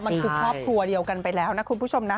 มันคือครอบครัวเดียวกันไปแล้วนะคุณผู้ชมนะ